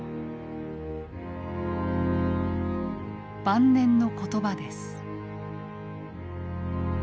晩年の言葉です。